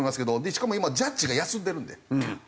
しかも今ジャッジが休んでるんで。